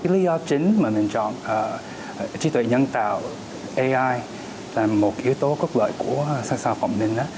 lý do chính mà mình chọn trí tuệ nhân tạo là một yếu tố quốc lợi của sang sao phạm minh